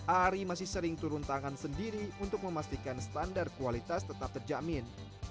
ari masih sering turun tangan sendiri untuk memastikan standar kualitas tetap terjamin